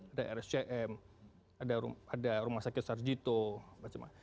ada rsjm ada rumah sakit sarjito dsb